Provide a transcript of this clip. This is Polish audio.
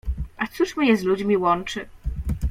A cóż mnie z ludźmi łączy?